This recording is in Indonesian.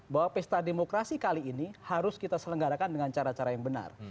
bahwa pesta demokrasi kali ini harus kita selenggarakan dengan cara cara yang benar